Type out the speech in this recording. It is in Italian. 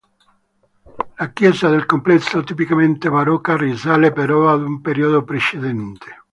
La chiesa del complesso, tipicamente barocca, risale però ad un periodo precedente.